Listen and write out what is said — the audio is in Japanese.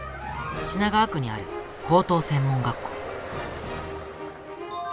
品川区にある高等専門学校。